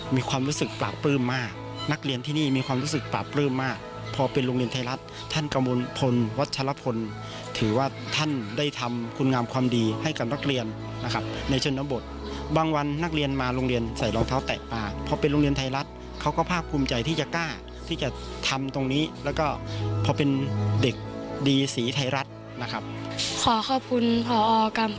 มีความรู้สึกปราบปลื้มมากนักเรียนที่นี่มีความรู้สึกปราบปลื้มมากพอเป็นโรงเรียนไทยรัฐท่านกระมวลพลวัชลพลถือว่าท่านได้ทำคุณงามความดีให้กับนักเรียนนะครับในชนบทบางวันนักเรียนมาโรงเรียนใส่รองเท้าแตะปากพอเป็นโรงเรียนไทยรัฐเขาก็ภาคภูมิใจที่จะกล้าที่จะทำตรงนี้แล้วก็พอเป็นเด็กดีสีไทยรัฐนะครับขอขอบคุณพอกัน